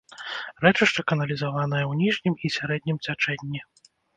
Рэчышча каналізаванае ў ніжнім і сярэднім цячэнні.